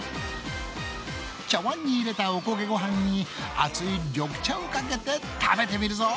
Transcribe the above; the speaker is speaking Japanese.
茶わんに入れたおこげごはんに熱い緑茶をかけて食べてみるぞ！